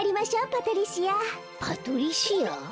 パトリシア？